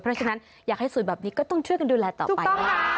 เพราะฉะนั้นอยากให้สวยแบบนี้ก็ต้องช่วยกันดูแลต่อไป